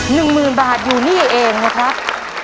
หนึ่งหมื่นบาทอยู่นี่เองนะครับ